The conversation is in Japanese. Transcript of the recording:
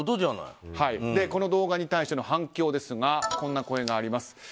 この動画に対しての反響ですがこんな声があります。